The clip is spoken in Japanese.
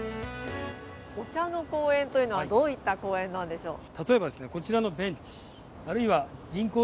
お茶の公園というのは、どういった公園なんでしょう？